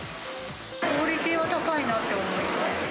クオリティーが高いなって思います。